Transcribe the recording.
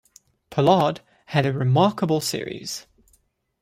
Pollard had a remarkable series.